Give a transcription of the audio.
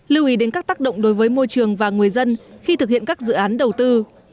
lưu ý đến các tác động đối với môi trường và người dân khi thực hiện các dự án đầu tư